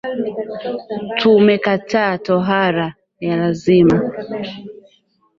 Tumekataa tohara ya lazima